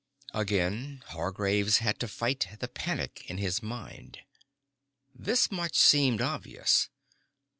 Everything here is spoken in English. Again Hargraves had to fight the panic in his mind. This much seemed obvious.